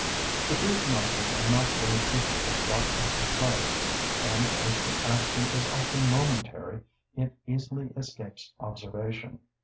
The grief muscles are not very frequently brought into play; and as the action is often momentary, it easily escapes observation.